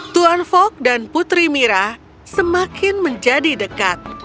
tuan fok dan putri mira semakin menjadi dekat